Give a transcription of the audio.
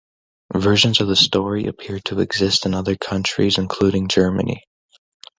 Versions of the story appear to exist in other countries, including Germany.